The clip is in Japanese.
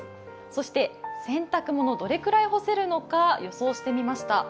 そして洗濯物、どれくらい干せるのか予想してみました。